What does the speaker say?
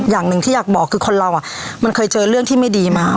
อย่างหนึ่งที่อยากบอกคือคนเรามันเคยเจอเรื่องที่ไม่ดีมา